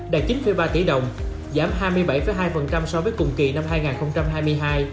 đạt chín ba tỷ đồng giảm hai mươi bảy hai so với cùng kỳ năm hai nghìn hai mươi hai